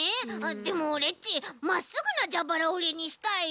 でもオレっちまっすぐなじゃばらおりにしたいよ！